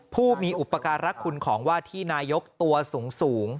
ผู้มีอุปการรักคุณของว่าที่นายกตัวสูง